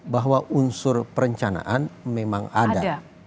bahwa unsur perencanaan memang ada